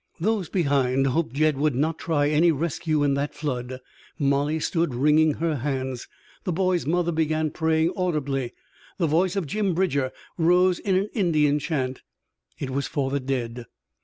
Those behind hoped Jed would not try any rescue in that flood. Molly stood wringing her hands. The boy's mother began praying audibly. The voice of Jim Bridger rose in an Indian chant. It was for the dead!